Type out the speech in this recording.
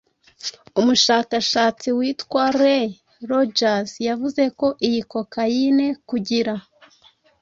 Umushakashatsi witwa Rae Rodgers yavuze ko iyi cocaine kugira